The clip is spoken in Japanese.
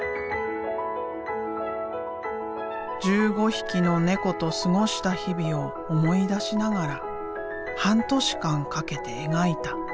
１５匹の猫と過ごした日々を思い出しながら半年間かけて描いた。